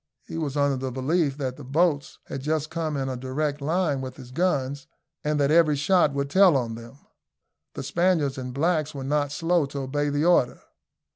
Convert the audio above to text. He was under the belief that the boats had just come in a direct line with his guns, and that every shot would tell on them. The Spaniards and blacks were not slow to obey the order.